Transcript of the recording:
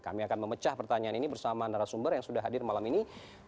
kami akan memecah pertanyaan ini bersama narasumber yang sudah hadir malam ini